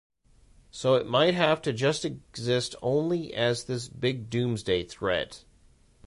So it might have to just exist only as this big doomsday threat.